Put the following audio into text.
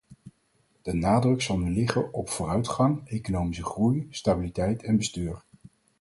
De nadruk zal nu liggen op vooruitgang, economische groei, stabiliteit en bestuur.